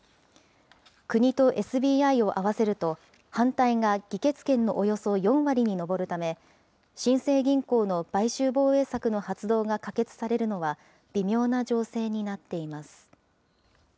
国とＳＢＩを合わせると、反対が議決権のおよそ４割に上るため、新生銀行の買収防衛策の発動が可決されるのは、微妙な情勢になっています。